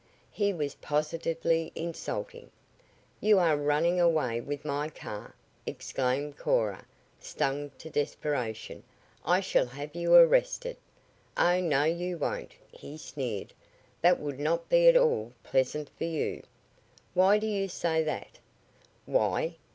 He was positively insulting. "You are running away with my car!" exclaimed Cora, stung to desperation. "I shall have you arrested!" "Oh, no, you won't!" he sneered. "That would not be at all pleasant for you!" "Why do you say that?" "Why?